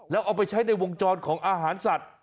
แล้วเอาไปใช้ในวงจรของอาหารสัตว์